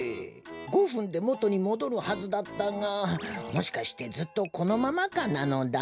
５ふんでもとにもどるはずだったがもしかしてずっとこのままかなのだ？